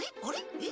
えっ？